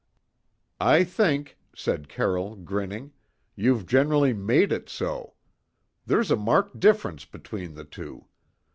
"I think," said Carroll, grinning, "you've generally made it so. There's a marked difference between the two.